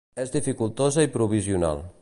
És dificultosa i provisional.